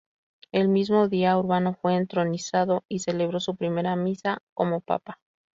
El mismo día, Urbano fue entronizado y celebró su primera misa como Papa.